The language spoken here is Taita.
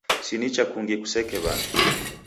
Si nicha kungi kuseka w'andu.